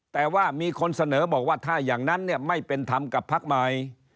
แต่ว่ามีคนเสนอบอกว่าถ้าอย่างนั้นเนี่ยไม่เป็นธรรมกับพักใหม่